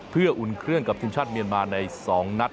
เพื่ออุ่นเครื่องกับทีมชาติเมียนมาใน๒นัด